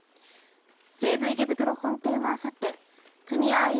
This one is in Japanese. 西武池袋本店はあさって組合員